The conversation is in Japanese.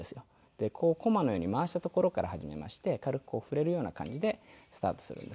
でこうこまのように回したところから始めまして軽く触れるような感じでスタートするんですね。